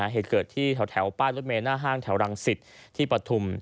เหตุเกิดที่แถวป้ายรถเมลหน้าห้างแถวรังสิตที่ปฐุม